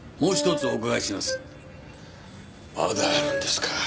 まだあるんですか？